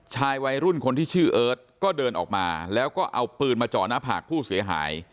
ชายวัยรุ่นคนที่ชื่อเอิร์ทก็เดินออกมาแล้วก็เอาปืนมาจ่อหน้าผากผู้เสียหาย